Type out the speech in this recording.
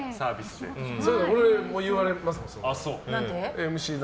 俺も言われます、それは。